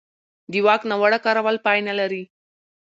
د واک ناوړه کارول پای نه لري